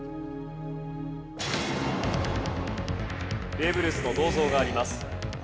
ベーブ・ルースの銅像があります。